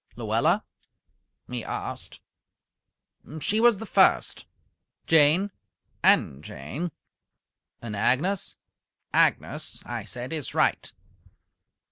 "Luella?" he asked. "She was the first." "Jane?" "And Jane." "And Agnes?" "Agnes," I said, "is right."